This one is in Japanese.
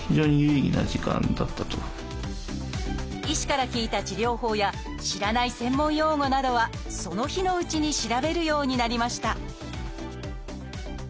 医師から聞いた治療法や知らない専門用語などはその日のうちに調べるようになりました